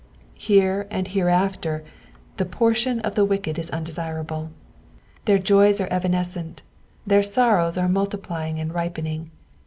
Uere and hereafter the portion of the wicked is undesirable. Their joys are evanescent, their sorrows are multiplying and ripening.